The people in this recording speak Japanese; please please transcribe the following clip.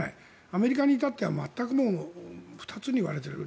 アメリカに至っては全く２つに割れている。